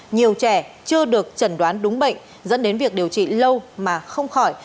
nhiều trẻ chưa được chẩn đoán đúng bệnh dẫn đến việc điều trị lâu mà không khỏi